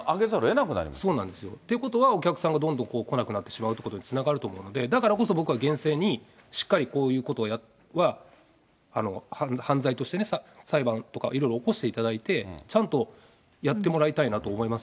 そうなんですよ。ということは、お客さんがどんどん来なくなってしまうってことにつながると思うので、だからこそ、僕は厳正にしっかりこういうことは犯罪としてね、裁判とかいろいろ起こしていただいて、ちゃんとやってもらいたいなと思います。